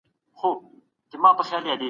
د سولي هڅي د بشري تمدن د ساتنې لپاره دي.